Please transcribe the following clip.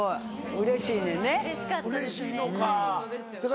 うれしいのか。